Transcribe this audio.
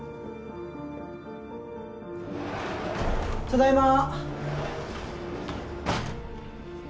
ただいま